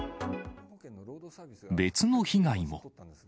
別の被害も。